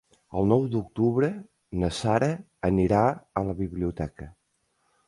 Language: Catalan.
El nou d'octubre na Sara anirà a la biblioteca.